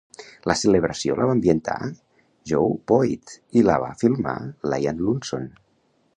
La celebració la va ambientar Joe Boyd i la va filmar Lian Lunson.